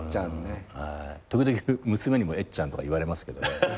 時々娘にもえっちゃんとか言われますけど。